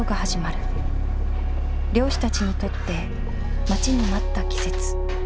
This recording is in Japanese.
漁師たちにとって待ちに待った季節。